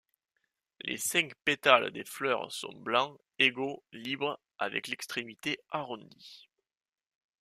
Les cinq pétales des fleurs sont blancs, égaux, libres, avec l'extrémité arrondie.